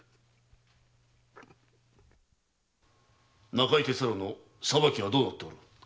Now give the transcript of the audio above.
中井徹太郎の裁きはどうなっておる？